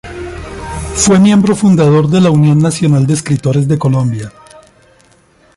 Fue Miembro fundador de la Unión Nacional de Escritores de Colombia.